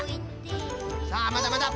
さあまだまだ。